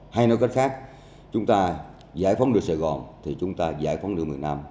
hay nói cách khác chúng ta giải phóng được sài gòn thì chúng ta giải phóng được miền nam